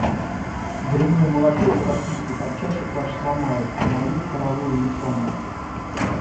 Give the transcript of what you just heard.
Дрянную молотилку, российский топчачек ваш, сломают, а мою паровую не сломают.